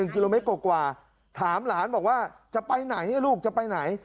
กิโลเมตรกว่าถามหลานบอกว่าจะไปไหนลูกจะไปไหน